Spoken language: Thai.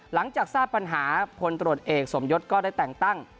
หลังจากทราบปัญหาพลตรวจเอกสมยศก็ได้แต่งตั้ง